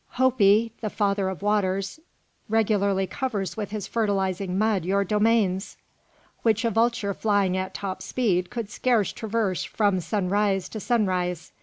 Hopi, the father of waters, regularly covers with his fertilising mud your domains, which a vulture flying at top speed could scarce traverse from sunrise to sunrise.